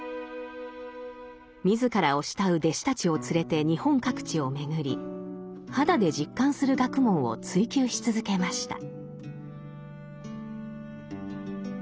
自らを慕う弟子たちを連れて日本各地を巡り肌で実感する学問を追究し続けました。